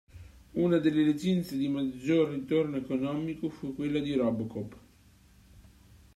Una delle licenze di maggior ritorno economico fu quella di "RoboCop".